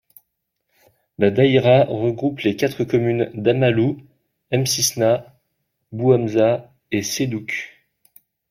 La daïra regroupe les quatre communes d'Amalou, M'cisna, Bouhamza et Seddouk.